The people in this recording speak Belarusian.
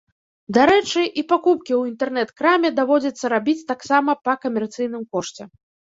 Дарэчы, і пакупкі ў інтэрнэт-краме даводзіцца рабіць таксама па камерцыйным кошце.